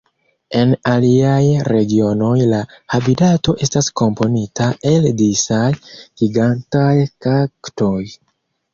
En aliaj regionoj la habitato estas komponita el disaj gigantaj kaktoj.